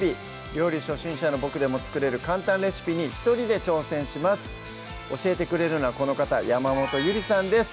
料理初心者のボクでも作れる簡単レシピに一人で挑戦します教えてくれるのはこの方山本ゆりさんです